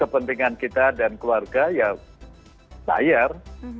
kepentingan kita dan keluarga ya bayar